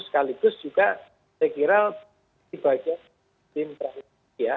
sekaligus juga saya kira di bagian tim transisional ya